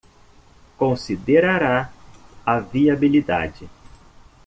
Considerará a viabilidade